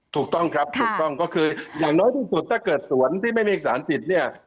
ถูกต้องครับถูกต้องก็คืออย่างน้อยที่สุดถ้าเกิดสวนที่ไม่มีสารผิดเนี่ย